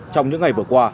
trong những ngày vừa qua